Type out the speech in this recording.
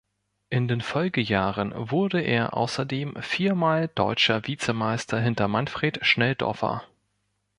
In den Folgejahren wurde er außerdem viermal Deutscher Vizemeister hinter Manfred Schnelldorfer.